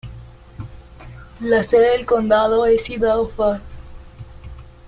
La sede del condado es Idaho Falls.